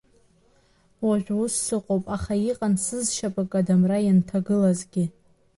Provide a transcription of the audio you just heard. Уажә ус сыҟоуп, аха иҟан сызшьапык адамра ианҭагылазгьы.